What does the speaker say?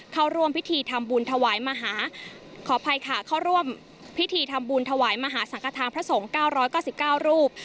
เข้าร่วมพิธีทำบุญถวายมหาสังกระทางพระสงค์๙๙๙รูป